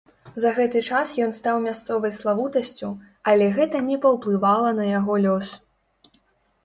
За гэты час ён стаў мясцовай славутасцю, але гэта не паўплывала на яго лёс.